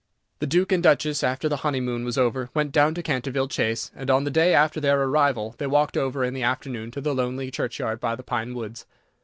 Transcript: The Duke and Duchess, after the honeymoon was over, went down to Canterville Chase, and on the day after their arrival they walked over in the afternoon to the lonely churchyard by the pine woods.